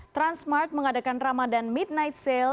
transmart mengadakan ramadan midnight sale